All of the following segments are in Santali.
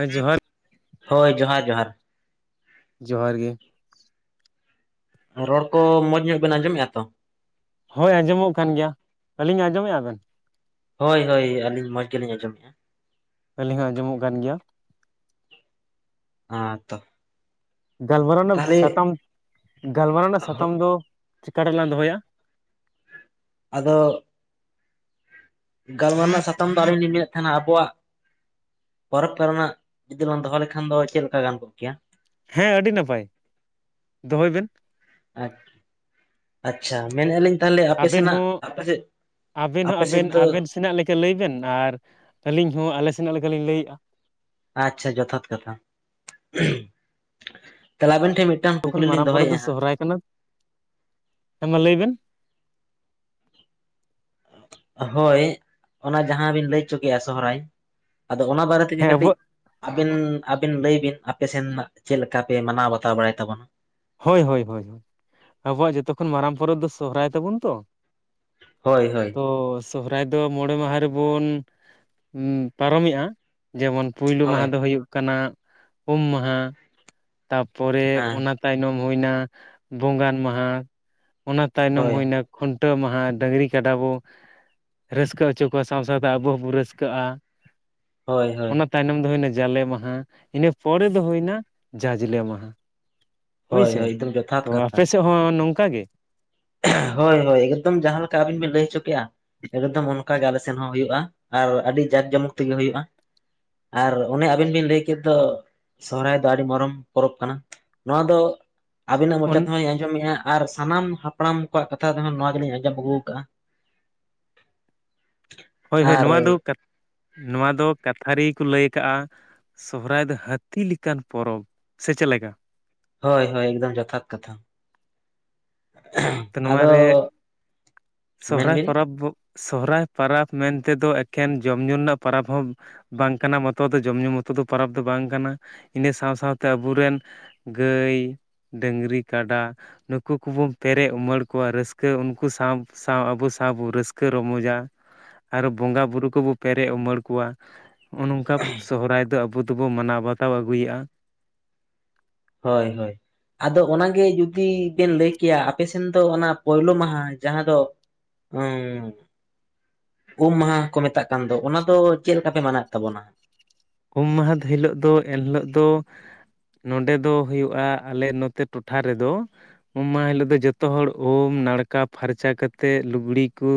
ᱟᱸᱭ ᱡᱚᱦᱟᱨ ᱾ ᱦᱳᱭ, ᱡᱚᱦᱟᱨ ᱡᱚᱦᱟᱨ ᱾ ᱡᱚᱦᱟᱨ ᱜᱮ! ᱨᱚᱲ ᱠᱚ, ᱢᱚᱸᱡᱽ ᱧᱚᱜ ᱵᱮᱱ, ᱟᱸᱡᱚᱢᱮᱫᱼᱟ ᱛᱚ? ᱦᱳᱭ! ᱟᱸᱡᱚᱢᱚᱜ ᱠᱟᱱ ᱜᱮᱭᱟ, ᱟᱹᱞᱤᱧᱟᱜ ᱟᱸᱡᱚᱢᱮᱫᱼᱟ ᱵᱮᱱ? ᱦᱳᱭ ᱦᱳᱭ, ᱟᱹᱞᱤᱧ ᱢᱚᱸᱡᱽ ᱜᱮᱞᱤᱧ, ᱟᱸᱡᱚᱢᱮᱫᱼᱟ ᱾ ᱟᱹᱞᱤᱧ ᱦᱚᱸ, ᱟᱸᱡᱚᱢᱚᱜ ᱠᱟᱱ ᱜᱮᱭᱟ ᱾ ᱟᱸᱻ ᱛᱚ ᱾ ᱜᱟᱞᱢᱟᱨᱟᱣ ᱨᱮᱱᱟᱜ ᱥᱟᱛᱟᱢ, ᱜᱟᱞᱢᱟᱨᱟᱣ ᱨᱮᱱᱟᱜ, ᱥᱟᱛᱟᱢ ᱫᱚ, ᱪᱤᱠᱟ ᱨᱮᱞᱟᱝ, ᱫᱚᱦᱚᱭᱟ? ᱟᱫᱚ? ᱜᱟᱞᱢᱟᱨᱟᱣ ᱨᱮᱱᱟᱜ, ᱥᱟᱛᱟᱢ ᱫᱚ, ᱟᱹᱞᱤᱧ ᱞᱤᱧ ᱢᱮᱱᱮᱫ ᱛᱟᱦᱮᱸᱱᱟ, ᱟᱵᱚᱣᱟᱜ ᱯᱚᱨᱚᱵᱽ ᱠᱚ ᱨᱮᱱᱟᱜ, ᱡᱩᱫᱤ ᱞᱟᱝ ᱫᱚᱦᱚ, ᱞᱮᱠᱷᱟᱱ ᱫᱚ, ᱪᱮᱫ ᱞᱮᱠᱟ, ᱜᱟᱱ ᱠᱚᱜ ᱠᱮᱭᱟ? ᱦᱮᱸᱻ, ᱟᱹᱰᱤ ᱱᱟᱯᱟᱭ, ᱫᱚᱦᱚᱭ ᱵᱮᱱ ᱾ ᱟᱪ, ᱟᱪᱪᱷᱟ, ᱢᱮᱱᱮᱫᱼᱟᱹᱞᱤᱧ ᱛᱟᱦᱚᱞᱮ, ᱟᱯᱮ ᱟᱵᱮᱱ ᱥᱮᱱᱟᱜ, ᱦᱚᱸ ᱟᱯᱮ ᱥᱮᱫ, ᱟᱵᱮᱱ ᱦᱚᱸ ᱟᱯᱮ ᱥᱮᱫ ᱟᱵᱮᱱ ᱫᱚ ᱟᱵᱮᱱ ᱥᱮᱱᱟᱜ ᱞᱮᱠᱟ ᱞᱟᱹᱭ ᱵᱮᱱ, ᱟᱨ ᱟᱹᱞᱤᱧ ᱦᱚᱸ, ᱟᱞᱮ ᱥᱮᱱᱟᱜ, ᱞᱮᱠᱟᱞᱤᱧ ᱞᱟᱹᱭ ᱮᱫᱼᱟ ᱾ ᱟᱪᱪᱷᱟ, ᱡᱚᱛᱷᱟᱛ ᱠᱟᱛᱷᱟ ᱾ᱠᱷ-ᱩ-ᱦᱩᱨ, ᱛᱟᱦᱚᱞᱮ, ᱟᱵᱤᱱ ᱴᱷᱮᱱ, ᱢᱤᱫ ᱛᱚᱠᱷᱚᱱ ᱢᱟᱨᱟᱝ ᱯᱚᱨᱚᱵ ᱫᱚ, ᱥᱚᱦᱚᱨᱟᱭ ᱠᱟᱱᱟ, ᱦᱮᱸᱢᱟ ᱞᱟᱹᱭ ᱵᱮᱱ ᱦᱳᱭ! ᱚᱱᱟ ᱡᱟᱦᱟᱸ ᱵᱤᱱ, ᱞᱟᱹᱭ ᱦᱚᱪᱚ ᱠᱮᱜᱼᱟ, ᱥᱚᱦᱨᱟᱭ ᱾ ᱟᱫᱚ, ᱚᱱᱟ ᱵᱟᱨᱮ ᱛᱮ ᱜᱮ, ᱦᱮᱸ ᱠᱟᱹᱴᱤᱡ ᱟᱵᱚᱣᱟᱜ ᱟᱵᱤᱱ, ᱟᱵᱤᱱ ᱞᱟᱹᱭ ᱵᱤᱱ, ᱟᱯᱮ ᱥᱮᱱ ᱨᱮᱱᱟᱜ, ᱪᱮᱫ ᱞᱮᱠᱟ ᱯᱮ, ᱢᱟᱱᱟᱣ ᱵᱟᱛᱟᱣ, ᱵᱟᱲᱟᱭ ᱛᱟᱵᱚᱱᱟ ᱾ ᱦᱳᱭ, ᱦᱳᱭ ᱦᱳᱭ, ᱟᱵᱚᱣᱟᱜ ᱡᱚᱛᱚ ᱠᱷᱚᱱ, ᱢᱟᱨᱟᱝ ᱯᱚᱨᱚᱵᱽ ᱫᱚ, ᱥᱚᱦᱨᱟᱭ ᱛᱟᱵᱚᱱ ᱛᱚ ᱦᱳᱭ ᱦᱳᱭ, ᱾ ᱛᱚ, ᱥᱚᱦᱚᱨᱟᱭ ᱫᱚ, ᱢᱚᱬᱮ ᱢᱟᱦᱟ ᱨᱮᱵᱚᱱ, ᱯᱟᱨᱚᱢᱮᱜᱼᱟ, ᱡᱮᱢᱚᱱ ᱯᱩᱭᱞᱩ ᱢᱟᱦᱟ ᱫᱚ, ᱦᱳᱭ ᱦᱩᱭᱩᱜ ᱠᱟᱱᱟ, ᱩᱢ ᱢᱟᱦᱟ, ᱛᱟ ᱯᱚᱨᱮ, ᱦᱮᱸ ᱚᱱᱟ ᱛᱟᱭᱱᱚᱢ, ᱦᱩᱭ ᱮᱱᱟ, ᱵᱚᱸᱜᱟᱱ ᱢᱟᱦᱟ, ᱚᱱᱟ, ᱛᱟᱭᱱᱚᱢ ᱦᱳᱭ ᱦᱩᱭ ᱮᱱᱟ, ᱠᱷᱩᱱᱴᱟᱹᱣ ᱢᱟᱦᱟ, ᱰᱟᱹᱝᱨᱤ ᱠᱟᱰᱟ ᱵᱚ, ᱨᱟᱹᱥᱠᱟᱹ ᱦᱚᱪᱚ ᱠᱚᱣᱟ, ᱥᱟᱶ ᱥᱟᱶᱛᱮ, ᱟᱵᱚ ᱦᱚᱸᱵᱚ, ᱨᱟᱹᱥᱠᱟᱹᱜᱼᱟ ᱾ ᱦᱳᱭ ᱦᱳᱭ ᱾ ᱛᱟᱭᱱᱚᱢ ᱫᱚ, ᱦᱩᱭ ᱮᱱᱟ, ᱡᱟᱞᱮ ᱢᱟᱦᱟ, ᱤᱱᱟᱹ ᱯᱚᱨᱮ ᱫᱚ, ᱦᱩᱭ ᱮᱱᱟ, ᱡᱟᱡᱽᱞᱮ ᱢᱟᱦᱟ ᱾ ᱦᱳᱭ ᱥᱮ, ᱛᱚ, ᱟᱯᱮ ᱥᱮᱫ ᱦᱚᱸ, ᱱᱚᱝᱠᱟ ᱜᱮ? ᱠᱷᱮ-ᱭ, ᱦᱳᱭ ᱦᱳᱭ, ᱮᱠᱫᱚᱢ ᱡᱟᱦᱟᱸ ᱞᱮᱠᱟ, ᱟᱹᱵᱤᱱ ᱵᱤᱱ ᱞᱟᱹᱭ, ᱦᱚᱪᱚ ᱠᱮᱜᱼᱟ ᱮᱠᱫᱚᱢ, ᱚᱱᱠᱟ ᱜᱮ, ᱟᱞᱮ ᱥᱮᱱ ᱦᱚᱸ, ᱦᱩᱭᱩᱜᱭᱼᱟ ᱾ ᱟᱨ ᱟᱹᱰᱤ, ᱡᱟᱠ ᱡᱚᱢᱚᱠ ᱛᱮᱜᱮ, ᱦᱩᱭᱩᱜᱭᱼᱟ ᱾ ᱟᱨ, ᱚᱱᱮ, ᱟᱵᱤᱱ ᱵᱤᱱ, ᱞᱟᱹᱭ ᱠᱮᱫ ᱫᱚ, ᱥᱚᱦᱨᱟᱭ ᱫᱚ ᱟᱹᱰᱤ ᱢᱟᱨᱚᱢ ᱯᱚᱨᱚᱵ ᱠᱟᱱᱟ᱾ ᱱᱚᱣᱟ ᱫᱚ ᱟᱵᱤᱱᱟ-ᱜ ᱢᱚᱪᱟ ᱛᱮᱦᱚᱧᱸ ᱟᱸᱡᱚᱢᱮᱫᱼᱟ᱾ ᱟᱨ ᱥᱟᱱᱟᱢ ᱦᱟᱯᱲᱟᱢ ᱠᱚᱣᱟ-ᱜ ᱠᱟᱛᱷᱟ ᱛᱮᱦᱚᱸ ᱱᱚᱣᱟ ᱜᱮᱞᱤᱧ ᱟᱸᱡᱚᱢ, ᱟᱹᱜᱩᱣ ᱠᱟᱜᱼᱟ᱾ ᱦᱳᱭ, ᱦᱳᱭ ᱱᱚᱣᱟ ᱫᱚ - ᱱᱚᱣᱟ ᱫᱚ ᱠᱟᱛᱷ ᱠᱟᱛᱷᱟᱨᱤ ᱠᱚ ᱞᱟᱹᱭ ᱠᱟᱜᱼᱟ᱾ ᱥᱚᱦᱨᱟᱭ ᱫᱚ ᱦᱟᱹᱛᱤ ᱞᱮᱠᱟᱱ ᱯᱚᱨᱚᱵᱽ ᱥᱮ ᱪᱮᱫ ᱞᱮᱠᱟ? ᱦᱳᱭ, ᱦᱳᱭ ᱮᱠᱫᱚᱢ ᱡᱚᱛᱷᱽᱟᱛ ᱠᱟᱛᱷᱟ᱾ ᱛᱚ ᱟᱫᱚ ᱱᱚᱣᱟᱨᱮ ᱢᱮᱱ ᱵᱤᱱ? ᱟᱵᱚ ᱥᱚᱦᱨᱟᱭ ᱯᱟᱨᱟᱵᱽ ᱢᱮᱱ ᱛᱮ ᱫᱚ, ᱮᱠᱷᱮᱱ ᱡᱚᱢ ᱧᱩ ᱨᱮᱱᱟ-ᱜ ᱯᱟᱨᱟᱵᱽ ᱦᱚᱸ ᱵᱟᱝ ᱠᱟᱱᱟ ᱢᱚᱛᱚ ᱫᱚ, ᱡᱚᱢᱼ ᱧᱩ ᱢᱚᱛᱚ ᱫᱚ ᱯᱚᱨᱚᱵᱽ ᱫᱚ ᱵᱟᱝ ᱠᱟᱱᱟ᱾ ᱤᱱᱟᱹ ᱥᱟᱶ ᱥᱟᱶᱛᱮ ᱟᱵᱚᱨᱮᱱ ᱜᱟᱹᱭ - ᱰᱟᱹᱜᱽᱨᱤ- ᱠᱟᱰᱟ ᱱᱩᱠᱩ ᱠᱩᱵᱩᱱ ᱯᱮᱨᱮᱡ ᱩᱢᱟᱹᱲ ᱠᱚᱣᱟ᱾ ᱨᱟᱹᱥᱠᱟᱹ ᱩᱱᱠᱩ ᱥᱟᱶ - ᱥᱟᱶ ᱟᱵᱚ ᱥᱟᱶ ᱵᱚ ᱨᱟᱹᱥᱠᱟᱹ ᱨᱚᱢᱚᱡᱟ᱾ ᱟᱨᱚ ᱵᱚᱸᱜᱟ ᱵᱩᱨᱩ ᱠᱚ-ᱵᱚ ᱯᱮᱨᱮᱡ ᱩᱢᱟᱹᱲ ᱠᱚᱣᱟ᱾ ᱱᱚᱜᱼᱚ ᱱᱚᱝᱠᱟ ᱥᱚᱦᱨᱟᱭ ᱫᱚ ᱟᱵᱚ ᱫᱚᱵᱚᱱ, ᱢᱟᱱᱟᱣ ᱵᱟᱛᱟᱣ ᱟᱹᱜᱩᱭᱮᱼᱟ᱾ ᱦᱳᱭ - ᱦᱳᱭ ᱟᱫᱚ ᱚᱱᱟᱜᱮ ᱡᱩᱫᱤ ᱵᱮᱱ ᱞᱟᱹᱭ ᱠᱮᱭᱟ᱾ ᱟᱯᱮ ᱥᱮᱱ ᱫᱚ ᱚᱱᱟ ᱯᱳᱭᱞᱳ ᱢᱟᱦᱟᱸ ᱡᱟᱦᱟᱸ ᱫᱚ᱾ ᱦᱩᱸ ᱩᱢ ᱢᱟᱦᱟ ᱠᱚ ᱢᱮᱛᱟᱜ ᱠᱟᱱ ᱫᱚ᱾ ᱚᱱᱟ ᱫᱚ ᱪᱮᱫ ᱞᱮᱠᱟ ᱯᱮ ᱢᱟᱱᱟᱣᱮᱫ ᱛᱟᱵᱚᱱᱟ᱾ ᱩᱢ ᱢᱟᱦᱟ ᱦᱤᱞᱳ-ᱜ ᱫᱚ᱾ ᱮᱱ ᱦᱤᱞᱳᱜ ᱫᱚ᱾ ᱱᱚᱸᱰᱮ ᱫᱚ ᱦᱩᱭᱩᱜᱼᱟ᱾ ᱟᱞᱮ ᱱᱚᱛᱮ ᱴᱚᱴᱷᱽᱟ ᱨᱮᱫᱚ᱾ ᱩᱢ ᱢᱟᱦᱟ ᱦᱤᱞᱳᱜ ᱫᱚ, ᱡᱚᱛᱚ ᱦᱚᱲ ᱩᱢ ᱱᱟᱲᱠᱟ ᱾ᱯᱷᱟᱨᱪᱟ ᱠᱟᱛᱮᱫ ᱞᱩᱜᱽᱲᱤ ᱠᱩ᱾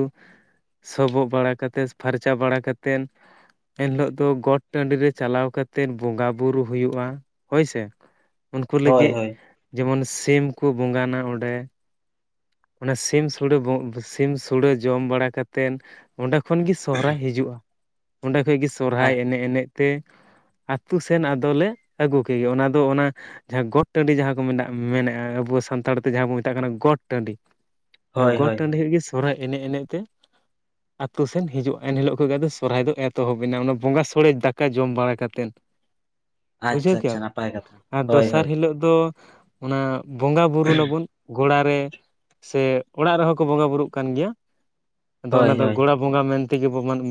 ᱥᱚᱵᱚᱜ ᱵᱟᱲᱟ ᱠᱟᱛᱮᱫ, ᱯᱷᱟᱨᱪᱟ ᱵᱟᱲᱟ ᱠᱟᱛᱮᱫ, ᱮᱱ ᱦᱤᱞᱳᱜ ᱫᱚ ᱜᱚᱴ ᱴᱟᱺᱰᱤ ᱨᱮ ᱪᱟᱞᱟᱣ ᱠᱟᱛᱮᱫ, ᱵᱚᱸᱜᱟ ᱵᱩᱨᱩ ᱦᱩᱭᱩᱜᱼᱟ᱾ ᱦᱳᱭᱥᱮ ᱩᱱᱠᱩ ᱦᱳᱭ ᱞᱟᱹᱜᱤᱫ ᱦᱳᱭ ᱡᱮᱢᱚᱱ ᱥᱤᱢ ᱠᱚ ᱵᱚᱸᱜᱟᱱᱟ ᱚᱸᱰᱮ ᱚᱱᱟ ᱥᱤᱢ ᱥᱩᱲᱟᱹ ᱵᱚ ᱥᱤᱢ ᱥᱩᱲᱟᱹ ᱡᱚᱢ ᱵᱟᱲᱟ ᱠᱟᱛᱮᱱ ᱚᱸᱰᱮ ᱠᱷᱚᱱ ᱜᱮ ᱥᱚᱦᱨᱟᱭ ᱦᱤᱡᱩᱜᱼᱟ᱾ ᱚᱸᱰᱮ ᱠᱷᱚᱡ ᱜᱮ ᱥᱚᱨᱦᱨᱟᱭ ᱟᱪ ᱮᱱᱮᱡ, ᱮᱱᱮᱡ ᱛᱮ ᱟᱹᱛᱳ ᱥᱮᱱ ᱟᱫᱚᱞᱮ ᱟᱹᱜᱩ ᱠᱮ ᱜᱮ, ᱚᱱᱟ ᱫᱚ ᱚᱱᱟ᱾ ᱡᱟᱦᱟᱸ ᱜᱚᱴ ᱴᱟᱺᱰᱤ ᱡᱟᱦᱟᱸ ᱠᱚ ᱢᱮᱱᱟ᱾ ᱢᱮᱱᱮᱼᱟ ᱟᱵᱚ ᱥᱟᱱᱛᱟᱲ ᱛᱮ ᱡᱟᱦᱟᱸ ᱵᱚᱱ ᱢᱮᱛᱟ-ᱜ ᱠᱟᱱᱟ᱾ ᱜᱚᱴ ᱴᱟᱺᱰᱤ ᱦᱳᱭ ᱜᱚᱴ ᱦᱳᱭ ᱴᱟᱺᱰᱤ ᱦᱳᱭ ᱠᱷᱚᱱ ᱜᱮ, ᱥᱚᱨᱦᱟᱭ ᱮᱱᱮᱡ, ᱮᱱᱮᱡ ᱛᱮ ᱟᱛᱳ ᱥᱮᱱ ᱦᱤᱡᱩᱜᱼᱟ᱾ ᱮᱱ ᱦᱤᱞᱳ-ᱜ ᱠᱷᱚᱡ ᱜᱮ, ᱟᱫᱚ ᱥᱚᱨᱦᱟᱭ ᱫᱚ ᱮᱛᱚᱦᱚᱵ ᱮᱱᱟ᱾ ᱚᱱᱟ ᱵᱚᱸᱜᱟ ᱥᱳᱲᱮ ᱫᱟᱠᱟ ᱠᱟ ᱡᱚᱢ ᱵᱟᱲᱟ ᱠᱟᱛᱮᱱ, ᱵᱩᱡᱷᱟᱹᱣ ᱟᱪᱪᱷᱟ ᱟᱪᱪᱷᱟ ᱠᱮᱜ-ᱟᱢ᱾ ᱱᱟᱯᱟᱭ ᱠᱟᱛᱷᱟ ᱟᱨ ᱦᱳᱭ ᱫᱚᱥᱟᱨ ᱦᱳᱭ ᱦᱤᱞᱳᱜ ᱫᱚ᱾ ᱚᱱᱟ ᱵᱚᱸᱜᱟ ᱵᱩᱨᱩ ᱱᱟᱵᱚᱱ᱾ ᱜᱚᱲᱟ ᱨᱮ, ᱥᱮ ᱚᱲᱟᱜ ᱨᱮᱦᱚᱸ ᱠᱚ ᱵᱚᱸᱜᱟ ᱵᱩᱨᱩ-ᱜ ᱠᱟᱱ ᱜᱮᱭᱟ᱾ ᱟᱫᱚ ᱦᱳᱭ ᱚᱱᱟ ᱫᱚ ᱦᱳᱭ ᱜᱚᱲᱟ᱾ ᱵᱚᱸᱜᱟ ᱢᱮᱱ ᱛᱮᱜᱮ ᱵᱚ ᱢᱟᱱᱮ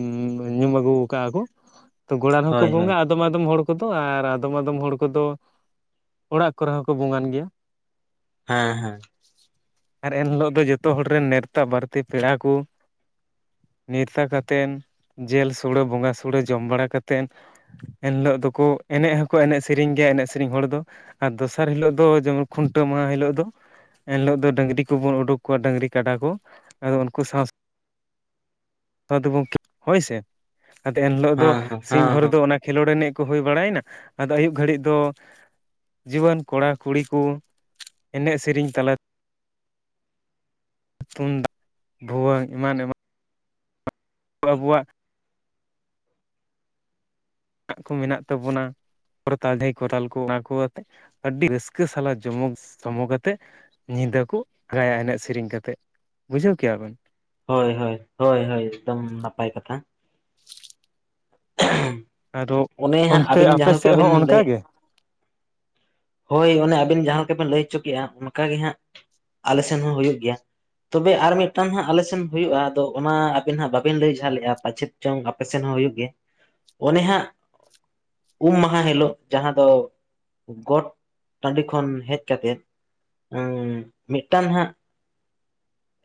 ᱧᱩᱢ ᱟᱹᱜᱩ ᱟᱠᱟᱜ ᱟᱠᱩ [unintelligible] ᱛᱚ ᱜᱚᱲᱟ ᱨᱮ ᱦᱚᱸᱠᱚ ᱦᱳᱭ ᱦᱳᱭ ᱵᱚᱸᱜᱟ᱾ ᱟᱫᱚᱢ - ᱟᱫᱚᱢ ᱦᱚᱲ ᱠᱚᱼᱫᱚ ᱟᱨ ᱟᱫᱚᱢ - ᱟᱫᱚᱢ ᱦᱚᱲ ᱠᱚᱼᱫᱚ ᱾ ᱚᱲᱟᱜ ᱠᱚᱨᱮ ᱦᱚᱸᱠᱚ ᱵᱚᱸᱜᱟᱱ ᱜᱮᱭᱟ᱾ ᱦᱮᱸ - ᱦᱮᱸ ᱟᱨ ᱮᱱ ᱦᱤᱞᱳ-ᱜ ᱫᱚ ᱡᱚᱛᱚ ᱦᱚᱲ ᱨᱮᱱ ᱱᱮᱶᱛᱟ᱾ ᱵᱟᱹᱲᱛᱤ ᱯᱮᱲᱟ ᱠᱚ᱾ ᱱᱮᱶᱛᱟ ᱠᱟᱛᱮᱫ, ᱡᱤᱞ ᱥᱚᱲᱮᱸ ᱵᱚᱸᱜᱟ ᱥᱚᱲᱮᱸ ᱡᱚᱢ ᱵᱟᱲᱟ ᱠᱟᱛᱮᱫ᱾ ᱮᱱ ᱦᱤᱞᱳ-ᱜ ᱫᱚ-ᱠᱚ ᱮᱱᱮᱡ ᱦᱚᱸᱠᱚ ᱮᱱᱮᱡ ᱥᱮᱨᱮᱧ ᱜᱮᱭᱟ᱾ ᱮᱱᱮᱡ, ᱥᱮᱨᱮᱧ ᱦᱚᱲ ᱫᱚ᱾ ᱟᱨ ᱫᱚᱥᱟᱨ ᱦᱤᱞᱳᱜ ᱫᱚ ᱡᱮᱢᱚᱱ ᱠᱷᱩᱱᱴᱟᱹᱣ ᱢᱟᱦᱟᱸ ᱦᱤᱞᱳᱜ ᱫᱚ᱾ ᱮᱱ ᱦᱤᱞᱳᱜ ᱫᱚ ᱰᱟᱹᱜᱽᱨᱤ ᱠᱚᱵᱩᱱ ᱩᱰᱩᱠ ᱠᱚᱣᱟ᱾ ᱰᱟᱹᱜᱽᱨᱤ ᱠᱟᱰᱟ ᱠᱚ ᱟᱫᱚ ᱩᱱᱠᱩ ᱥᱟᱶ-ᱥᱟᱶ [unintelligible] ᱟᱫᱚ ᱮᱱᱦᱤᱞᱳᱜ ᱫᱚ ᱦᱮᱸ ᱥᱤᱝ ᱦᱮᱸ ᱵᱷᱳᱨ ᱦᱮᱸ ᱫᱚ ᱚᱱᱟ ᱠᱷᱮᱞᱳᱰ ᱮᱱᱮᱡ ᱠᱚ ᱦᱩᱭ ᱵᱟᱲᱟᱭᱱᱟ᱾ ᱟᱫᱚ ᱟᱹᱭᱩᱵ ᱜᱷᱟᱹᱲᱤᱡ ᱫᱚ᱾ ᱡᱩᱣᱟᱹᱱ ᱠᱚᱲᱟ ᱠᱩᱲᱤ ᱠᱚ ᱮᱱᱮᱡ, ᱥᱮᱨᱮᱧ ᱛᱟᱞᱟ ᱛᱮ ᱛᱩᱢᱫᱟᱜ ᱵᱷᱩᱣᱟᱹᱝ ᱮᱢᱟᱱ ᱮᱢᱟᱱ ᱟᱵᱚᱣᱟᱜ ᱠᱚ ᱢᱮᱱᱟᱜ ᱛᱟᱵᱚᱱᱟ᱾ ᱠᱚᱨᱛᱟᱞ ᱡᱷᱟᱹᱭ ᱠᱚᱨᱛᱟᱞ ᱠᱚ ᱚᱱᱟ ᱠᱚ ᱟᱛᱮ ᱟᱹᱰᱤ ᱨᱟᱹᱥᱠᱟᱹ ᱥᱟᱞᱟᱜ ᱡᱚᱢᱚᱠ ᱥᱚᱢᱚᱠ ᱟᱛᱮᱜ ᱧᱤᱫᱟᱹ ᱠᱚ ᱟᱸᱜᱟᱸᱭᱟ ᱮᱱᱮᱡ ᱥᱮᱨᱮᱧ ᱠᱟᱛᱮᱫ ᱵᱩᱡᱷᱟᱹᱣ ᱠᱮᱭᱟ ᱵᱮᱱ᱾ ᱦᱳᱭ ᱦᱳᱭ, ᱦᱳᱭ ᱦᱳᱭ, ᱮᱠᱫᱚᱢ ᱱᱟᱯᱟᱭ ᱠᱟᱛᱷᱟ᱾ ᱦᱩᱸ [inaudible] ᱟᱨᱚ ᱚᱱᱛᱮ ᱟᱯᱮ ᱥᱮᱫ ᱦᱚᱸ ᱞᱟᱹᱭ ᱚᱱᱠᱟ ᱜᱮ? ᱦᱳᱭ ᱚᱱᱮ ᱟᱵᱤᱱ ᱡᱟᱦᱟᱸ ᱞᱮᱠᱟ ᱵᱤᱱ ᱞᱟᱹᱭ ᱦᱚᱪᱚ ᱠᱮᱜ-ᱟ ᱚᱱᱠᱟ ᱜᱮ ᱦᱟᱸᱜ ᱟᱞᱮ ᱥᱮᱱ ᱦᱚᱸ ᱦᱩᱭᱩᱜ ᱜᱮᱭᱟ᱾ ᱛᱚᱵᱮ ᱟᱨ ᱢᱤᱫ ᱴᱟᱝ ᱦᱟᱸᱜ ᱟᱞᱮ ᱥᱮᱱ ᱦᱩᱭᱩᱜ-ᱟ ᱟᱫᱚ ᱚᱱᱟ ᱟᱹᱵᱤᱱ ᱦᱟᱸᱜ ᱵᱟᱵᱤᱱ ᱞᱟᱹᱭ ᱡᱟᱷ ᱞᱮᱜ-ᱟ ᱯᱟᱪᱮᱫ ᱪᱚᱝ ᱟᱯᱮ ᱥᱮᱱ ᱦᱚᱸ ᱦᱩᱭᱩᱜ ᱜᱮ᱾ ᱚᱱᱮ ᱦᱟᱸᱜ ᱩᱢ ᱢᱟᱦᱟ ᱦᱤᱞᱳᱜ ᱡᱟᱦᱟᱸ ᱫᱚ, ᱜᱚᱴ ᱴᱟᱺᱰᱤ ᱠᱷᱚᱱ ᱦᱮᱡ ᱠᱟᱛᱮᱫ, ᱟᱸ ᱢᱤᱫᱴᱟᱝ ᱦᱟᱸᱜ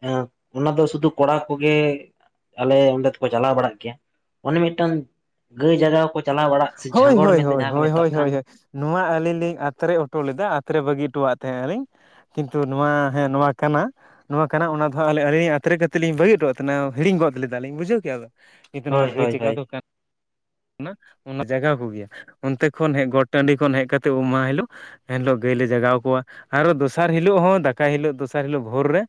ᱮ ᱚᱱᱟ ᱫᱚ ᱥᱩᱫᱩ ᱠᱚᱲᱟ ᱠᱚᱜᱮ ᱟᱞᱮ ᱚᱸᱰᱮ ᱫᱚᱠᱚ ᱪᱟᱞᱟᱣ ᱵᱟᱲᱟᱜ ᱜᱮᱭᱟ ᱚᱱᱮ ᱢᱤᱫᱴᱟᱝ ᱜᱟᱹᱭ ᱡᱟᱜᱟᱣ ᱠᱚ ᱪᱟᱞᱟᱣ ᱵᱟᱲᱟᱜ ᱥᱮ ᱦᱳᱭ ᱡᱷᱟᱸᱜᱚᱲ ᱦᱳᱭ ᱢᱮᱱᱛᱮ ᱦᱳᱭ ᱡᱟᱦᱟᱸ ᱠᱚ ᱦᱳᱭ ᱢᱮᱛᱟᱜ ᱦᱳᱭ ᱠᱟᱱ, ᱦᱳᱭ ᱱᱚᱣᱟ ᱟᱹᱞᱤᱧ ᱞᱤᱧ ᱟᱛᱨᱮ ᱦᱚᱴᱚ ᱞᱮᱫᱟ ᱟᱛᱨᱮ ᱵᱟᱹᱜᱤ ᱦᱚᱴᱚᱣᱟᱜ ᱛᱟᱦᱮᱸ ᱟᱹᱤᱧ, ᱠᱤᱱᱛᱩ ᱱᱚᱣᱟ ᱦᱮᱸ ᱱᱚᱣᱟ ᱠᱟᱱᱟ᱾ ᱱᱚᱣᱟ ᱠᱟᱱᱟ ᱚᱱᱟ ᱫᱚ ᱟᱹᱞᱤᱧ ᱟᱛᱨᱮ ᱠᱟᱛᱮᱫ ᱞᱤᱧ ᱵᱟᱹᱜᱤ ᱦᱚᱴᱚᱣᱟ ᱛᱟᱦᱮᱱᱟ ᱦᱤᱲᱤᱧ ᱜᱚᱫ ᱞᱮᱫᱟ ᱞᱤᱧ ᱵᱩᱡᱷᱟᱹᱣ ᱠᱮᱭᱟ ᱵᱮᱱ᱾ ᱠᱤᱱᱛᱩ ᱱᱚᱣᱟ ᱦᱳᱭ ᱜᱟᱹᱭ ᱦᱳᱭ ᱡᱟᱜᱟᱣ ᱦᱳᱭ ᱫᱚ ᱠᱟᱱᱟ ᱚᱱᱟ ᱡᱟᱜᱟᱣ ᱠᱚ ᱜᱮᱭᱟ ᱚᱱᱛᱮ ᱠᱷᱚᱱ ᱜᱚᱴ ᱴᱟᱺᱰᱤ ᱠᱷᱚᱱ ᱦᱮᱡ ᱠᱟᱛᱮᱫ ᱩᱢ ᱢᱟᱦᱟ ᱦᱤᱞᱳᱜ ᱮᱱᱦᱤᱞᱳᱜ ᱜᱟᱹᱭ ᱞᱮ ᱡᱟᱜᱟᱣ ᱠᱚᱣᱟ ᱟᱨᱚ ᱫᱚᱥᱟᱨ ᱦᱤᱞᱳᱜ ᱦᱚᱸ ᱫᱟᱠᱟᱭ ᱦᱤᱞᱳᱜ ᱫᱚᱥᱟᱨ ᱦᱤᱞᱳᱜ ᱵᱷᱳᱨ ᱨᱮ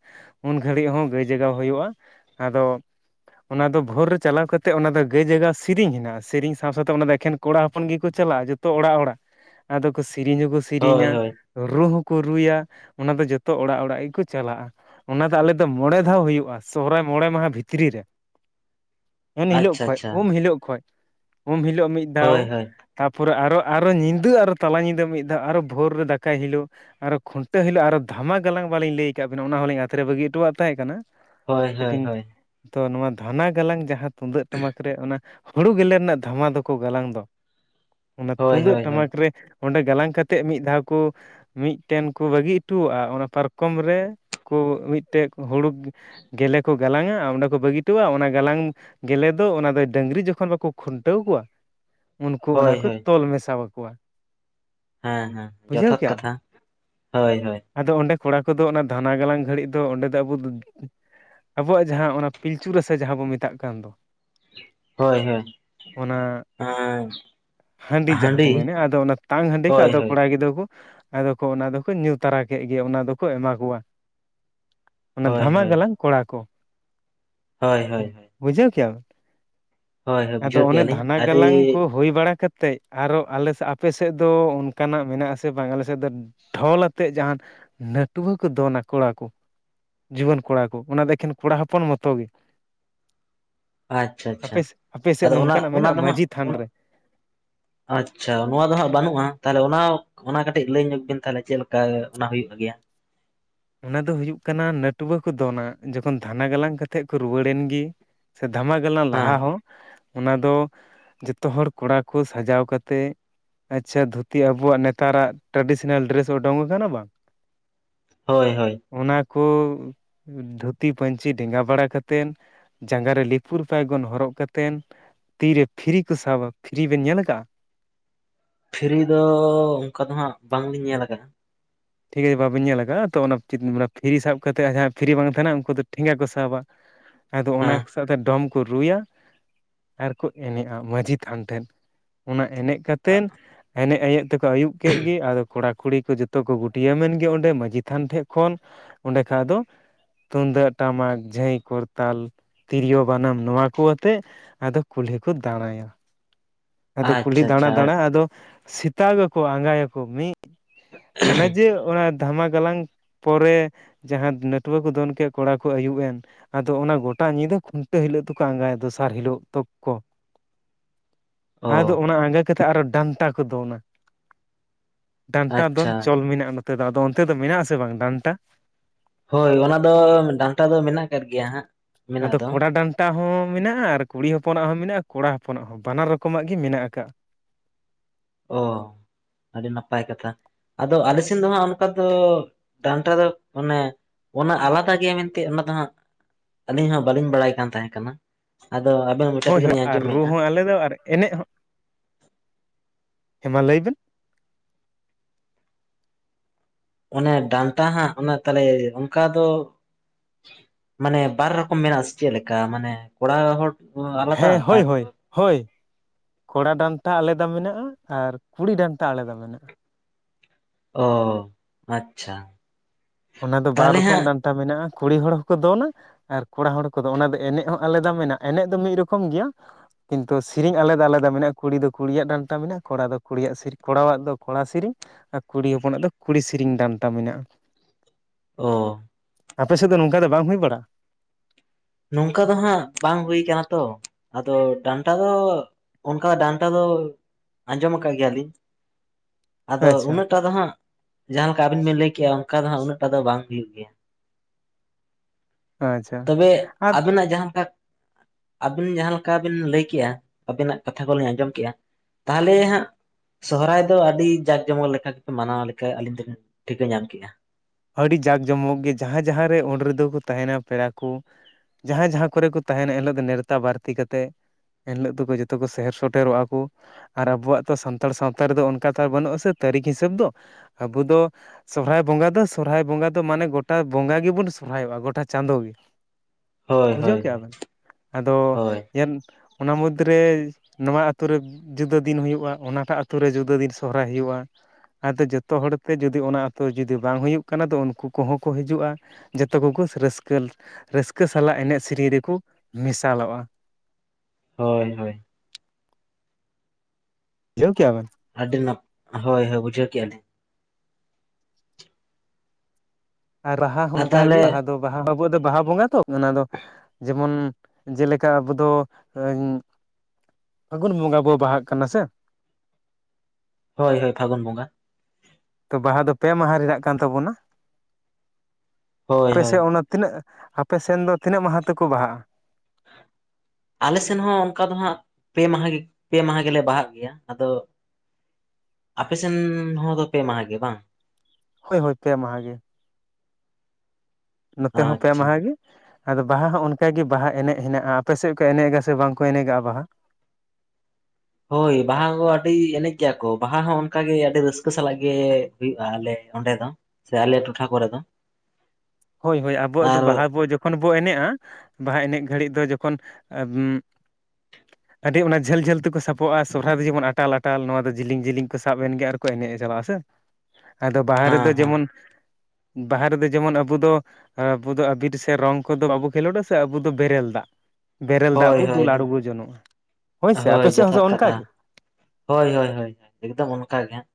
ᱩᱱ ᱜᱷᱟᱹᱲᱤᱡ ᱦᱚᱸ ᱜᱟᱹᱭ ᱡᱟᱜᱟᱣ ᱦᱩᱭᱩᱜ-ᱟ ᱟᱫᱚ, ᱚᱱᱟ ᱫᱚ ᱵᱷᱳᱨ ᱨᱮ ᱪᱟᱞᱟᱣ ᱠᱟᱛᱮᱫ ᱚᱱᱟ ᱫᱚ ᱜᱟᱹᱭ ᱡᱟᱜᱟᱣ ᱥᱮᱨᱮᱧ ᱦᱮᱱᱟᱜ-ᱟ ᱥᱮᱨᱮᱧ ᱥᱟᱶ ᱥᱟᱶ ᱛᱮ ᱚᱱᱟ ᱫᱚ ᱮᱠᱷᱮᱱ ᱠᱚᱲᱟ ᱦᱚᱯᱚᱱ ᱜᱮᱠᱚ ᱪᱟᱞᱟᱜ-ᱟ ᱡᱚᱛᱚ ᱚᱲᱟᱜ ᱚᱲᱟᱜ ᱟᱫᱚ ᱠᱚ ᱥᱮᱨᱮᱤᱧ ᱦᱚᱸᱠᱚ ᱦᱳᱭ ᱥᱮᱨᱮᱧᱟ᱾ ᱦᱳᱭ ᱨᱩ ᱦᱚᱸᱠᱚ ᱨᱩᱭᱟ ᱚᱱᱟ ᱫᱚ ᱡᱚᱛᱚ ᱚᱲᱟᱜ ᱚᱲᱟᱜ ᱜᱮᱠᱚ ᱪᱟᱞᱟᱜ-ᱟ᱾ ᱚᱱᱟ ᱫᱚ ᱟᱞᱮ ᱫᱚ ᱢᱚᱬᱮ ᱫᱷᱟᱣ ᱦᱩᱭᱩᱜ-ᱟ ᱥᱚᱦᱚᱨᱟᱭ ᱢᱚᱬᱮ ᱢᱟᱦᱟ ᱵᱷᱤᱛᱨᱤ ᱨᱮ᱾ ᱮᱱᱦᱤᱞᱳᱜ ᱟᱪᱪᱷᱟ ᱠᱷᱚᱱ ᱟᱪᱪᱷᱟ ᱩᱢ ᱦᱤᱞᱳᱜ ᱠᱷᱚᱱ ᱩᱢ ᱦᱤᱞᱳᱜ ᱢᱤᱫ ᱦᱳᱭ ᱫᱷᱟᱣ, ᱦᱳᱭ ᱛᱟᱯᱚᱨᱮ ᱟᱨᱚ ᱟᱨᱚ ᱧᱤᱫᱟᱹ ᱟᱨᱚ ᱛᱟᱞᱟ ᱧᱤᱫᱟᱹ ᱢᱤᱫ ᱫᱷᱟᱣ ᱟᱨᱚ ᱵᱷᱳᱨ ᱨᱮ ᱫᱟᱠᱟᱭ ᱦᱤᱞᱳᱜ, ᱟᱨᱚ ᱠᱷᱩᱱᱴᱟᱹ ᱦᱤᱞᱳᱜ ᱟᱨᱚ ᱫᱷᱟᱱᱟ ᱜᱟᱞᱟᱝ ᱵᱟᱞᱤᱧ ᱞᱟᱹᱭ ᱟᱠᱟᱫ ᱵᱤᱱᱟ ᱚᱱᱟ ᱦᱚᱸᱞᱤᱧ ᱟᱛᱨᱮ ᱵᱟᱹᱜᱤ ᱦᱚᱴᱚᱣᱟᱜ ᱛᱟᱦᱮᱸ ᱠᱟᱱᱟ᱾ ᱦᱳᱭ ᱦᱳᱭ ᱞᱮᱠᱤᱱ ᱦᱳᱭ᱾ ᱛᱚ ᱱᱚᱣᱟ ᱫᱷᱟᱱᱟ ᱜᱟᱞᱟᱝ ᱡᱟᱦᱟᱸ ᱛᱩᱢᱫᱟᱹᱜ ᱴᱟᱢᱟᱠ ᱨᱮ ᱚᱱᱟ ᱦᱩᱲᱩ ᱜᱮᱞᱮ ᱨᱮᱱᱟᱜ, ᱫᱷᱟᱱᱟ ᱫᱚᱠᱚ ᱜᱟᱞᱟᱝ ᱫᱚ ᱚᱱᱟ ᱦᱳᱭ ᱛᱩᱢᱫᱟᱜ ᱦᱳᱭ ᱦᱳᱭ ᱴᱟᱢᱟᱠ ᱨᱮ ᱚᱸᱰᱮ ᱜᱟᱞᱟᱝ ᱠᱟᱛᱮᱫ ᱢᱤᱫ ᱫᱷᱟᱣ ᱠᱚ ᱢᱤᱫ ᱴᱮᱱ ᱠᱚ ᱵᱟᱹᱜᱤ ᱦᱚᱴᱚᱣᱟᱜ-ᱟ ᱚᱱᱟ ᱯᱟᱨᱠᱚᱢ ᱨᱮᱠᱚ ᱢᱤᱫᱴᱮᱱ ᱦᱩᱲᱩ ᱜᱮᱞᱮ ᱠᱚ ᱜᱟᱞᱟᱝ-ᱟ ᱚᱸᱰᱮ ᱠᱚ ᱵᱟᱹᱜᱤ ᱦᱚᱴᱚᱜ-ᱟ ᱚᱱᱟ ᱜᱟᱞᱟᱝ ᱜᱮᱞᱮ ᱫᱚ ᱚᱱᱟ ᱫᱚ ᱰᱟᱹᱝᱨᱤ ᱡᱚᱠᱷᱚᱱ ᱵᱟᱠᱚ ᱠᱷᱩᱱ ᱴᱟᱹᱣ ᱠᱚᱣᱟ ᱩᱱᱠᱩ ᱚᱱᱟ ᱦᱳᱭ ᱠᱚ ᱦᱳᱭ ᱛᱚᱞ ᱢᱮᱥᱟ ᱟᱠᱚᱣᱟ᱾ ᱦᱮᱸ ᱦᱮᱸ ᱵᱩᱡᱷᱟᱹᱣ ᱡᱚᱛᱷᱟᱛ ᱠᱮᱜᱼᱟᱢ ᱠᱟᱛᱷᱟ ᱦᱳᱭ ᱦᱳᱭ ᱟᱫᱚ ᱚᱸᱰᱮ ᱠᱚᱲᱟ ᱠᱚᱫᱚ ᱚᱱᱟ ᱫᱷᱟᱱᱟ ᱜᱟᱞᱟᱝ ᱜᱷᱟᱹᱲᱤᱡ ᱫᱚ ᱚᱸᱰᱮ ᱫᱚ ᱟᱵᱚ ᱟᱵᱚᱣᱟᱜ ᱡᱟᱦᱟ ᱚᱱᱟ ᱯᱤᱞᱪᱩ ᱨᱟᱥᱟ ᱡᱟᱦᱟ ᱵᱚᱱ ᱢᱮᱛᱟᱜ ᱠᱟᱱ ᱫᱚ, ᱦᱳᱭ ᱦᱳᱭ ᱚᱱᱟ ᱮᱸᱻ ᱦᱟᱺᱰᱤ ᱡᱟᱦᱟ ᱠᱚ ᱢᱮᱱᱮ ᱟᱫᱚ ᱚᱱᱟ ᱛᱟᱝ ᱦᱟᱺᱰᱤ ᱠᱟ ᱦᱳᱭ ᱟᱫᱚ ᱦᱳᱭ ᱠᱚᱲᱟ ᱜᱤᱫᱽᱨᱟᱹ ᱠᱚ, ᱟᱫᱚ ᱠᱚ ᱚᱱᱟ ᱫᱚᱠᱚ ᱧᱩ ᱛᱟᱨᱟ ᱠᱮᱫ ᱜᱮ ᱚᱱᱟ ᱫᱚᱠᱚ ᱮᱢᱟ ᱠᱚᱣᱟ᱾ ᱚᱱᱟ ᱦᱳᱭ ᱫᱷᱟᱢᱟ ᱦᱳᱭ ᱜᱟᱞᱟᱝ ᱠᱚᱲᱟ ᱠᱚ᱾ ᱦᱳᱭ ᱦᱳᱭ ᱾ ᱵᱩᱡᱷᱟᱹᱣ ᱠᱮᱭᱟᱢ ᱦᱳᱭ ᱦᱳᱭ ᱵᱩᱡᱷᱟᱹᱣ ᱠᱮᱭᱟ ᱞᱤᱧ ᱟᱹᱰᱤ ᱜᱟᱞᱟᱝ ᱠᱚ ᱦᱩᱭ ᱵᱟᱲᱟ ᱠᱟᱛᱮᱫ ᱟᱨᱦᱚᱸ ᱟᱞᱮ ᱟᱯᱮ ᱥᱮᱫ ᱫᱚ ᱚᱱᱠᱟ ᱱᱟᱜ ᱢᱮᱱᱟᱜᱼᱟ ᱟᱥᱮ ᱵᱟᱝ ᱟᱞᱮ ᱥᱮᱫ ᱫᱚ ᱴᱷᱚᱞ ᱟᱛᱮᱫ ᱡᱟᱦᱟ ᱱᱟᱹᱴᱩᱣᱟᱹ ᱠᱚ ᱫᱚᱱ-ᱟ ᱠᱚᱲᱟ ᱠᱚ ᱡᱩᱣᱟᱹᱱ ᱠᱚᱲᱟ ᱠᱚ ᱚᱱᱟ ᱫᱚ ᱮᱠᱷᱮᱱ ᱠᱚᱲᱟ ᱦᱚᱯᱚᱱ ᱢᱚᱛᱚ ᱜᱮ ᱾ ᱟᱪᱪᱷᱟ ᱟᱪᱪᱷᱟ ᱟᱯᱮ ᱥᱮᱫ ᱟᱫᱚ ᱱᱚᱝᱠ ᱚᱱᱟ ᱚᱱᱟ ᱫᱚ ᱦᱟᱸᱜ [unintelligible] ᱟᱪᱪᱷᱟ ᱱᱚᱣᱟ ᱫᱚ ᱦᱟᱸᱜ ᱵᱟᱹᱱᱩᱜᱼᱟ, ᱛᱟᱦᱚᱞᱮ ᱚᱱᱟ ᱚᱱᱟ ᱠᱟᱹᱴᱤᱡ ᱞᱟᱹᱭ ᱧᱚᱜ ᱵᱤᱱ ᱛᱟᱦᱚᱞᱮ ᱪᱮᱫ ᱞᱮᱠᱟ ᱚᱱᱟ ᱦᱩᱭᱩᱜᱼᱟ ᱜᱮᱭᱟ ᱾ ᱚᱱᱟ ᱫᱚ ᱦᱩᱭᱩᱜ ᱠᱟᱱᱟ ᱱᱟᱹᱴᱩᱣᱟᱹ ᱠᱚ ᱫᱚᱱ-ᱟ ᱡᱚᱠᱷᱚᱱ ᱫᱷᱟᱱᱟ ᱜᱟᱞᱟᱝ ᱠᱟᱛᱮᱜ ᱠᱚ ᱨᱩᱣᱟᱹᱲ ᱮᱱ ᱜᱮ ᱥᱮ [inaudible] ᱞᱟᱦᱟ ᱦᱮᱸ ᱦᱚᱸ ᱚᱱᱟ ᱫᱚ ᱡᱷᱚᱛᱚ ᱦᱚᱲ ᱠᱚᱲᱟ ᱠᱚ ᱥᱟᱡᱟᱣ ᱠᱟᱛᱮᱫ ᱟᱪᱪᱷᱟ ᱫᱷᱩᱛᱤ ᱟᱵᱚᱣᱟᱜ ᱱᱮᱛᱟᱨᱟᱜ-ᱟ ᱴᱨᱟᱰᱤᱥᱚᱱᱟᱞ ᱰᱮᱨᱮᱥ ᱩᱰᱩᱝ ᱟᱠᱟᱱᱟ ᱵᱟᱝ ᱦᱳᱭ ᱦᱳᱭ ᱾ ᱚᱱᱟ ᱠᱚ ᱫᱷᱩᱛᱤ ᱯᱟᱹᱧᱪᱤ ᱰᱮᱜᱟᱸ ᱵᱟᱲᱟ ᱠᱟᱛᱮᱫ ᱡᱟᱝᱜᱟ ᱨᱮ ᱞᱤᱯᱷᱩᱨ ᱯᱟᱭᱜᱚᱱ ᱦᱚᱨᱚᱜ ᱠᱟᱛᱮᱱ ᱛᱤ ᱨᱮ ᱯᱷᱤᱨᱤ ᱠᱚ ᱥᱟᱵᱟᱺ ᱯᱷᱤᱨᱤ ᱵᱤᱱ ᱧᱮᱞ ᱟᱠᱟᱜᱼᱟ? ᱯᱷᱤᱨᱤ ᱫᱚ ᱚᱱᱠᱟ ᱫᱚ ᱦᱟᱸᱜ ᱵᱟᱝ ᱞᱤᱧ ᱧᱮᱞ ᱟᱠᱟᱫᱟ ᱾ ᱴᱷᱤᱠ ᱜᱮᱭᱟ ᱵᱟᱵᱤᱱ ᱧᱮᱞ ᱟᱠᱟᱫᱟ ᱛᱚ ᱚᱱᱟ ᱯᱷᱤᱨᱤ ᱥᱟᱵ ᱠᱟᱛᱮᱫ ᱡᱟᱦᱟᱸᱭ ᱯᱷᱡᱨᱤ ᱵᱟᱝ ᱛᱟᱦᱮᱸᱱᱟ ᱩᱱᱠᱩ ᱫᱚ ᱴᱷᱮᱸᱜᱟ ᱠᱚ ᱥᱟᱵᱟ ᱾ [unintelligible] ᱟᱫᱚ ᱚᱱᱟ ᱦᱮᱸ ᱥᱟᱶᱛᱮ ᱰᱚᱢ ᱠᱚ ᱨᱩᱼᱭᱟ ᱟᱨ ᱠᱚ ᱮᱱᱮᱡᱼᱟ ᱢᱟᱺᱡᱷᱤ ᱛᱷᱟᱸᱱ ᱴᱷᱮᱱ ᱾ ᱚᱱᱟ ᱮᱱᱮᱡ ᱠᱟᱛᱮᱱ ᱮᱱᱮᱡ ᱮᱱᱮᱡ ᱛᱮᱠᱚ ᱟᱹᱭᱩᱵ ᱠᱮᱫ ᱜᱮ ᱟᱫᱚ ᱠᱚᱲᱟ ᱠᱩᱲᱤ ᱠᱚ ᱡᱚᱛᱚ ᱠᱚ ᱜᱩᱴᱤ [inaudible] ᱮᱱ ᱜᱮ ᱚᱱᱰᱮ ᱢᱟᱺᱡᱷᱤ ᱛᱷᱟᱱ ᱴᱷᱮᱡ ᱠᱷᱚᱱ ᱚᱰᱮ ᱠᱷᱟᱱ ᱟᱫᱚ ᱛᱩᱢᱫᱟᱹᱜ ᱴᱟᱢᱟᱠ ᱡᱷᱺᱭ ᱠᱚᱨᱛᱟᱞ ᱛᱤᱨᱭᱚᱜ ᱵᱟᱱᱟᱢ ᱱᱚᱣᱟ ᱠᱚ ᱟᱛᱮᱮᱫ ᱟᱫᱚ ᱠᱩᱞᱦᱤ ᱠᱚ ᱫᱟᱬᱟᱭᱟ ᱾ ᱟᱫᱚ ᱠᱩᱞᱦᱤ ᱟᱪᱪᱷᱟ ᱫᱟᱬᱟ ᱟᱪᱪᱷᱟ ᱫᱟᱬᱟ ᱟᱫᱚ ᱥᱮᱛᱟᱜ ᱟᱠᱚ ᱟᱸᱜᱟᱭᱟ ᱟᱠᱚ ᱢᱤᱫ ᱚᱱᱮ ᱡᱮ ᱚᱱᱟ ᱫᱷᱟᱢᱟ ᱜᱟᱞᱟᱝ ᱯᱚᱨᱮ ᱡᱟᱦᱟ ᱱᱟᱹᱴᱩᱣᱟᱹ ᱠᱚ ᱫᱚᱱ ᱠᱮᱫ ᱠᱚᱲᱟ ᱠᱚ ᱟᱹᱭᱩᱵ ᱮᱱ ᱟᱫᱚ ᱚᱱᱟ ᱜᱚᱴᱟ ᱧᱤᱫᱟᱹ ᱠᱷᱩᱱᱴᱟᱹᱣ ᱦᱤᱞᱳᱜ ᱫᱚᱠᱚ ᱟᱜᱟᱭᱟ ᱫᱚᱥᱟᱨ ᱦᱤᱞᱳᱜ ᱛᱚᱠ ᱠᱚ ᱾ ᱚ ᱟᱫᱚ ᱚᱱᱟ ᱟᱸᱜᱟ ᱠᱟᱛᱮᱫ ᱟᱨᱦᱚᱸ ᱰᱟᱱᱴᱟ ᱠᱚ ᱫᱚᱱ-ᱟ ᱾ ᱰᱟᱱᱴᱟ ᱟᱪᱪᱷᱟ ᱫᱚᱱ ᱪᱚᱞ ᱢᱮᱱᱟᱜᱼᱟ ᱱᱚᱛᱮ ᱫᱚ ᱟᱫᱚ ᱚᱱᱛᱮ ᱫᱚ ᱢᱮᱱᱟᱜ-ᱟ ᱥᱮ ᱵᱟᱝ ᱰᱟᱱᱴᱟ? ᱦᱳᱭ ᱚᱱᱟ ᱫᱚ ᱰᱟᱱᱴᱟ ᱫᱚ ᱢᱮᱱᱟᱜ ᱟᱠᱟᱫ ᱜᱮᱭᱟ ᱦᱟᱸᱜ ᱾ ᱟᱫᱚ ᱠᱚᱲᱟ ᱰᱟᱱ ᱴᱟ ᱦᱚᱸ ᱢᱮᱱᱟᱜᱼᱟ ᱟᱨ ᱠᱩᱲᱤ ᱦᱚᱯᱚᱱᱟᱜ ᱦᱚᱸ ᱢᱮᱱᱟᱜᱼᱟ ᱠᱚᱲᱟ ᱦᱚᱯᱚᱱᱟᱜ ᱦᱚᱸ ᱵᱟᱱᱟᱨ ᱨᱚᱠᱚᱢᱟᱜ ᱜᱮ ᱢᱮᱱᱟᱜ ᱟᱠᱟ ᱾ ᱚ ᱟᱹᱰᱤ ᱱᱟᱯᱟᱭ ᱠᱟᱛᱷᱟ ᱾ ᱟᱫᱚ ᱟᱞᱮ ᱥᱮᱱ ᱫᱚ ᱦᱟᱸᱜ ᱚᱱᱠᱟ ᱫᱚ ᱰᱟᱱᱴᱟ ᱫᱚ ᱟᱱᱮ- ᱚᱱᱟ ᱟᱞᱟᱫᱟ ᱜᱮᱭᱟ ᱢᱮᱱᱛᱮ ᱚᱱᱟ ᱫᱚ ᱦᱟᱸᱜ ᱟᱹᱞᱤᱧ ᱦᱚᱸ ᱵᱟᱝᱞᱤᱧ ᱵᱟᱲᱟᱭ ᱠᱟᱱ ᱛᱟᱦᱮᱸ ᱠᱟᱱᱟ᱾ ᱟᱫᱚ ᱟᱵᱤᱱᱟ ᱢᱪᱟ ᱦᱳᱭ ᱛᱮᱜᱮᱸ ᱦᱳᱭ ᱞᱤᱧ ᱟᱨ ᱨᱩ ᱟᱡᱚᱢᱮᱟ ᱾ ᱦᱚᱸ ᱟᱞᱮ ᱫᱚ ᱟᱨ ᱮᱱᱮᱡ ᱦᱚᱸ ᱦᱮᱸ ᱢᱟ ᱞᱟᱹᱭ ᱵᱤᱱ, ᱚᱱᱮ ᱰᱟᱱᱴᱟ ᱦᱟᱸᱜ ᱚᱱᱟ ᱛᱟᱦᱚᱞᱮ ᱚᱱᱠᱟ ᱫᱚ ᱢᱟᱱᱮ ᱵᱟᱨ ᱨᱚᱠᱚᱢ ᱢᱮᱱᱟᱜ ᱟ ᱥᱮ ᱪᱮᱫ ᱞᱮᱠᱟ ᱢᱟᱱᱮ ᱠᱚᱲᱟ ᱦᱚᱲ ᱟᱞᱟᱫᱟ ᱦᱮᱸ ᱦᱳᱭ ᱟᱨ ᱦᱳᱭ ᱾ ᱦᱳᱭ, ᱠᱚᱲᱟ ᱰᱟᱱᱴᱟ ᱟᱞᱟᱫᱟ ᱢᱮᱱᱟᱜᱼᱟ ᱟᱨ ᱠᱩᱲᱤ ᱰᱟᱱᱴᱟ ᱟᱞᱟᱫᱟ ᱢᱮᱱᱟᱜᱼᱟ ᱾ ᱚ ᱟᱪᱪᱷᱟ ᱾ ᱚᱱᱟ ᱫᱚ ᱵᱟᱨ ᱨᱚᱠᱚᱢ ᱰᱟᱱᱴᱟ ᱢᱮᱱᱟᱜᱼᱟ ᱠᱩᱲᱤ ᱦᱚᱲ ᱦᱚᱸᱠᱚ ᱫᱚᱱᱟ ᱾ ᱟᱨ ᱠᱚᱲᱟ ᱦᱚᱲ ᱠᱚᱫᱚ ᱚᱱᱟ ᱫᱚ ᱮᱱᱮᱡ ᱦᱚᱸ ᱟᱞᱟᱫᱟ ᱢᱮᱱᱟᱜᱼᱟ ᱮᱱᱮᱡ ᱫᱚ ᱢᱤᱫ ᱨᱚᱠᱚᱢ ᱜᱮᱭᱟ᱾ ᱠᱤᱱᱛᱩ ᱥᱤᱨᱤᱧ ᱟᱞᱮ ᱫᱚ ᱟᱞᱮ ᱫᱚ ᱢᱮᱱᱟᱜᱼᱟ ᱠᱤᱱᱛᱩ ᱥᱤᱨᱤᱧ ᱟᱞᱟᱫᱟ -ᱟᱞᱟᱫᱟ ᱢᱮᱱᱟᱜ-ᱟ ᱠᱩᱲᱤ ᱫᱚ ᱠᱩᱲᱤ ᱭᱟᱜ ᱰᱟᱱᱴᱟ ᱢᱮᱱᱟᱜᱼᱟ ᱠᱚᱲᱟ ᱫᱚ ᱠᱩᱲᱤ ᱭᱟᱜ ᱥᱤᱨᱤᱧ ᱠᱚᱲᱟᱣᱟᱜ ᱫᱚ ᱠᱚᱲᱟ ᱥᱤᱨᱤᱧ ᱾ ᱟᱨ ᱠᱩᱲᱤ ᱦᱚᱯᱚᱱᱟᱜ ᱫᱚ ᱠᱩᱲᱤ ᱥᱮᱨᱤᱧ ᱰᱟᱱᱴᱟ ᱢᱮᱱᱟᱜᱼᱟ ᱾ ᱚ᱾ ᱟᱯᱮ ᱥᱮᱫ ᱫᱚ ᱱᱚᱝᱠᱟ ᱫᱚ ᱵᱟᱝ ᱦᱩᱭ ᱵᱟᱲᱟᱜᱼᱟ? ᱱᱚᱝᱠᱟ ᱫᱚ ᱦᱟᱸᱜ ᱵᱟᱝ ᱦᱩᱭ ᱠᱟᱱᱟ ᱛᱚ ᱟᱫᱚ ᱰᱟᱱᱴᱟ ᱫᱚᱼᱼ ᱚᱱᱠᱟ ᱰᱟᱱᱴᱟ ᱫᱚ ᱟᱸᱡᱚᱢ ᱟᱠᱟᱫ ᱜᱮᱭᱟ ᱞᱤᱧ᱾ ᱟᱫᱚ ᱟᱪᱪᱷᱟ ᱩᱱᱟᱹᱜ ᱴᱟ ᱫᱚ ᱦᱟᱸᱜ ᱡᱟᱦᱟᱸ ᱞᱮᱠᱟ ᱟᱵᱤᱱ ᱵᱤᱱ ᱞᱟᱹᱭ ᱠᱮᱜ-ᱟ ᱚᱱᱠᱟ ᱫᱚ ᱦᱟᱜ ᱩᱱᱟᱹᱜ ᱴᱟᱜ ᱫᱚ ᱦᱟᱜ ᱵᱟᱝ ᱦᱩᱭᱩᱜ ᱜᱮᱭᱟ᱾ ᱟᱪᱪᱷᱟ ᱛᱚᱵᱮ ᱟᱫ ᱾ ᱟᱵᱤᱱᱟᱜ ᱡᱟᱦᱟᱸᱠᱟᱛ ᱟᱹᱵᱤᱱ ᱡᱟᱦᱟᱸ ᱞᱮᱠᱟ ᱵᱤᱱ ᱞᱟᱹᱭ ᱠᱮᱜᱼᱟ ᱟᱹᱵᱤᱱᱟᱜ ᱠᱟᱛᱷᱟ ᱠᱚᱞᱤᱧ ᱟᱸᱡᱚᱢ ᱠᱮᱜᱼᱟ᱾ ᱛᱟᱦᱚᱞᱮ ᱦᱟᱸᱜ ᱾ ᱥᱚᱦᱚᱨᱟᱭ ᱫᱚ ᱟᱹᱰᱤ ᱡᱟᱸᱠ ᱡᱚᱢᱚᱠ ᱞᱮᱠᱟ ᱢᱟᱱᱟᱣ ᱞᱮ ᱞᱮᱠᱟᱱ ᱟᱹᱞᱤᱧ ᱫᱚᱞᱤᱧ ᱴᱷᱤᱠᱟᱹ ᱧᱟᱢ ᱠᱮᱫᱮᱜᱼᱟ᱾ ᱟᱹᱰᱤ ᱡᱟᱠ ᱡᱚᱢᱚᱠ ᱜᱮ ᱡᱟᱦᱟᱸᱭ ᱡᱟᱦᱟᱸ ᱨᱮ ᱚᱸ ᱨᱮᱫᱚ ᱠᱚ ᱛᱟᱦᱮᱱᱟ ᱯᱮᱲᱟ ᱠᱚ ᱾ ᱡᱟᱦᱟᱸ ᱡᱟᱦᱟᱸ ᱠᱚᱨᱮ ᱠᱚ ᱛᱟᱦᱮᱱᱟ ᱮᱱᱦᱤᱞᱳᱜ ᱫᱚ ᱱᱮᱶᱛᱟ ᱵᱟᱹᱲᱛᱤ ᱠᱟᱛᱮ ᱾ ᱮᱱᱦᱤᱞᱳᱜ ᱫᱚᱠᱚ ᱡᱚᱛᱚ ᱠᱚ ᱥᱮᱦᱮᱨ ᱥᱴᱮᱨᱚᱜᱼᱟ ᱠᱚ ᱾ ᱟᱨ ᱟᱵᱚᱣᱟᱜ ᱫᱚ ᱥᱟᱱᱛᱟᱲ ᱥᱟᱶᱛᱟ ᱨᱮᱫᱚ ᱚᱱᱠᱟ ᱛᱚ ᱟᱨ ᱵᱟᱹᱱᱩᱜ ᱟᱥᱮ ᱛᱟᱹᱨᱤᱠᱷ ᱦᱤᱥᱟᱹᱵ ᱫᱚ ᱾ ᱟᱵᱚ ᱫᱚ ᱥᱚᱦᱚᱨᱟᱭ ᱵᱚᱸᱜᱟ ᱫᱚᱼᱼ ᱥᱚᱨᱦᱟᱭ ᱵᱚᱸᱜᱟ ᱫᱚ ᱢᱟᱱᱮ ᱜᱚᱴᱟ ᱵᱚᱸᱜᱟ ᱜᱮᱵᱚᱱ ᱥᱚᱨᱦᱟᱭᱚᱜᱼᱟ ᱜᱚᱴᱟ ᱪᱟᱸᱫᱳ ᱜᱮ ᱾ ᱦᱳᱭ ᱵᱩᱡᱷᱟᱹᱣ ᱦᱳᱭ ᱦᱳᱭ ᱠᱮᱜᱼᱟᱢ ᱟᱫᱚ᱾ ᱦᱳᱭ ᱚᱱᱟ ᱢᱩᱫᱽᱨᱮ ᱱᱚᱣᱟ ᱟᱛᱳᱨᱮ ᱾ ᱡᱩᱫᱟᱹ ᱫᱤᱱ ᱦᱩᱭᱩᱜᱼᱟ ᱚᱱᱟᱴᱟᱜ ᱟᱛᱳ ᱨᱮ ᱡᱩᱫᱟᱹ ᱫᱤᱱ ᱥᱚᱦᱚᱨᱟᱭ ᱦᱩᱭᱩᱜᱼᱟ ᱾ ᱟᱫᱚ ᱡᱚᱛᱚ ᱦᱚᱲ ᱛᱮ ᱡᱩᱫᱤ ᱚᱱᱟ ᱟᱹᱛᱩ ᱡᱩᱫᱤ ᱵᱟᱝ ᱦᱩᱭᱩᱜ ᱾ ᱠᱟᱱᱟ ᱫᱚ ᱩᱱᱠᱩ ᱠᱚᱦᱚᱸ ᱠᱚ ᱦᱤᱡᱩᱜᱼᱟ ᱡᱚᱛᱚ ᱠᱚᱠᱩ ᱨᱟᱹᱥᱠᱟᱹ᱾ ᱨᱟᱹᱥᱠᱟᱹ ᱥᱟᱞᱟᱜ ᱮᱱᱮᱡ ᱥᱮᱨᱮᱧ ᱨᱮᱠᱚ ᱢᱮᱥᱟᱞᱚᱜᱼᱟ ᱾ ᱦᱳᱭ ᱦᱳᱭ ᱾ ᱵᱩᱡᱷᱟᱹᱣ ᱠᱮᱜ-ᱟ ᱵᱮᱱ? ᱟᱹᱰᱤ ᱱᱟᱯ ᱦᱳᱭ ᱦᱳᱭ ᱵᱩᱡᱷᱟᱹᱣ ᱠᱮᱫᱼᱟ ᱞᱤᱧ᱾ ᱟᱨ ᱨᱟᱦᱟ ᱦᱚᱸ ᱚᱱᱠᱟ ᱜᱮ ᱵᱟᱦᱟ ᱫᱚ ᱵᱟᱦᱟ ᱚᱵᱩ ᱫᱚ ᱵᱟᱦᱟ ᱵᱚᱸᱜᱟ ᱛᱚ ᱚᱱᱟ ᱫᱚ ᱾ ᱡᱮᱢᱚᱱ ᱡᱮᱞᱮᱠᱟ ᱟᱵᱚ ᱫᱚ ᱾ ᱯᱷᱟᱹᱜᱩᱱ ᱵᱚᱸᱜᱟ ᱵᱚ ᱵᱟᱦᱟᱜ ᱠᱟᱱᱟ ᱥᱮ ᱾ ᱦᱳᱭ ᱦᱳᱭ ᱯᱷᱟᱜᱩᱱ ᱵᱚᱸᱜᱟ ᱾ ᱛᱚ ᱵᱟᱦᱟ ᱫᱚ ᱯᱮ ᱢᱟᱦᱟ ᱨᱮᱱᱟᱜ ᱠᱟᱱ ᱛᱟᱵᱚᱱᱟ ᱦᱳᱭ ᱟᱯᱮ ᱦᱳᱭ ᱥᱮᱫ ᱚᱱᱟ ᱾ ᱛᱤᱱᱟᱹᱜ ᱟᱯᱮᱥᱮᱱ ᱫᱚ ᱛᱤᱱᱟᱹᱜ ᱢᱟᱦᱟ ᱛᱮᱠᱚ ᱵᱟᱦᱟᱜᱼᱟ ᱾ ᱟᱞᱮ ᱥᱮᱱ ᱦᱚᱸ ᱚᱱᱠᱟ ᱫᱚ ᱦᱟᱸᱜ ᱯᱮ ᱢᱟᱦᱟ ᱯᱮ ᱢᱟᱦᱟ ᱜᱮᱞᱮ ᱵᱟᱦᱟᱜ ᱜᱮᱭᱟ ᱟᱫᱚ᱾ ᱟᱯᱮ ᱥᱮᱱ ᱦᱚᱸ ᱫᱚ ᱯᱮ ᱢᱟᱦᱟ ᱜᱮ ᱵᱟᱝ? ᱦᱳᱭ ᱦᱳᱭ ᱯᱮ ᱢᱟᱦᱟ ᱜᱮ ᱾ ᱱᱚᱛᱮ ᱦᱚᱸ ᱯᱮ ᱟᱪᱪᱷᱟ ᱢᱟᱦᱟ ᱜᱮ ᱾ ᱟᱫᱚ ᱵᱟᱦᱟ ᱦᱚᱸ ᱚᱱᱠᱟ ᱜᱮ ᱵᱟᱦᱟ ᱮᱱᱮᱡ ᱦᱮᱱᱟᱜᱼᱟ ᱟᱯᱮ ᱥᱮᱫ ᱠᱚ ᱮᱱᱮᱜᱟ ᱥᱮ ᱵᱟᱝ ᱠᱚ ᱮᱱᱮᱜᱟ ᱵᱟᱦᱟ ᱾ ᱦᱳᱭ ᱵᱟᱦᱟ ᱟᱹᱰᱤ ᱮᱱᱮᱡ ᱜᱮᱭᱟ ᱠᱚ ᱵᱟᱦᱟ ᱦᱚᱸ ᱚᱱᱠᱟ ᱜᱮ ᱟᱹᱰᱤ ᱨᱟᱹᱥᱠᱟᱹ ᱥᱟᱞᱟᱜ ᱜᱮ ᱦᱩᱭᱩᱜᱼᱟ ᱟᱞᱮ ᱚᱸᱰᱮ ᱫᱚ ᱾ ᱥᱮ ᱟᱞᱮ ᱴᱚᱴᱷᱟ ᱠᱚᱨᱮ ᱫᱚ᱾ ᱦᱳᱭ ᱦᱳᱭ ᱟᱵᱚᱣᱟᱜ ᱫᱚ ᱟᱨ ᱵᱟᱦᱟ ᱯᱩᱡᱟᱹ᱾ ᱛᱚᱠᱷᱚᱱ ᱵᱚᱱ ᱮᱱᱮᱡᱼᱟ ᱵᱟᱦᱟ ᱮᱱᱮᱡ ᱜᱷᱟᱹᱲᱤᱠ ᱫᱚ ᱡᱚᱠᱷᱚᱱ ᱾ ᱟᱹᱰᱤ ᱚᱱᱟ ᱡᱷᱟᱹᱞ ᱡᱟᱹᱞ ᱛᱮ ᱥᱟᱯᱚᱜᱼᱟ ᱥᱚᱨᱦᱟᱭ ᱫᱚ ᱡᱮᱢᱚᱱ ᱟᱹᱰᱤ ᱚᱱᱟ ᱡᱷᱟᱹᱞ ᱡᱷᱟᱹᱞ ᱛᱮᱠᱚ ᱥᱟᱵᱚᱜ ᱼᱟ ᱥᱚᱨᱦᱟᱭ ᱨᱮ ᱡᱮᱢᱚᱱ ᱟᱴᱟᱞ ᱟᱴᱟᱞ ᱱᱚᱣᱟ ᱫᱚ ᱡᱮᱞᱮᱝ-ᱡᱮᱞᱤᱝ ᱠᱚ ᱥᱟᱵ ᱮᱱ ᱜᱮ ᱟᱨ ᱠᱚ ᱮᱱᱮᱡ ᱮ ᱪᱟᱞᱟᱜᱼᱟ ᱥᱮ᱾ ᱟᱫᱚ ᱵᱟᱦᱟ ᱦᱮᱸ ᱨᱮᱫᱚ ᱦᱮᱸ ᱡᱮᱢᱚᱱ, ᱵᱟᱦᱟ ᱨᱮᱫᱚ ᱡᱮᱢᱚᱱ ᱟᱹᱵ ᱟᱵᱚ ᱫᱚ, ᱟᱵᱚ ᱫᱚ ᱟᱵᱤᱨ ᱥᱮ ᱨᱚᱝ ᱠᱚᱫᱚ ᱵᱟᱵᱚ ᱠᱷᱮᱞᱳᱸᱰᱟ ᱥᱮ ᱟᱵᱚ ᱫᱚ ᱵᱮᱨᱮᱞ ᱫᱟᱜ ᱾ ᱵᱮᱨᱮᱞ ᱫᱟᱜ ᱦᱳᱭ ᱵᱚ ᱦᱳᱭ ᱫᱩᱞ ᱮᱠᱫᱚᱢ ᱟᱬᱜᱚ ᱡᱚᱝᱚᱜᱼᱟ, ᱦᱳᱭ ᱥᱮ ᱟᱯᱮ ᱥᱮᱫ ᱦᱚᱸ ᱡᱚᱛᱷᱟᱛ ᱥᱮ ᱚᱱᱠᱟ ᱠᱟᱛᱷᱟ ᱜᱮ? ᱦᱳᱭ ᱦᱳᱭ ᱦᱳᱭ, ᱮᱠᱫᱚᱢ ᱚᱱᱠᱟ ᱜᱮ ᱾